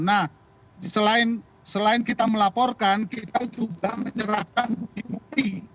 nah selain kita melaporkan kita juga menyerahkan bukti bukti